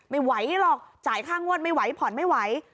ไม่ไหวหรอกจ่ายค่างวดไม่ไหวผ่อนไม่ไหว